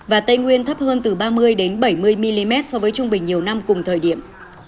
và tây nguyên thấp hơn từ ba mươi bảy mươi mm so với trung bình nhiều năm cùng thời điểm